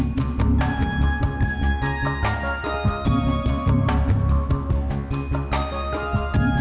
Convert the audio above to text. ninggu planets jutaan